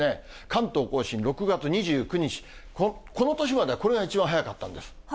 関東甲信、６月２９日、この年まではこれが一番早かったんです。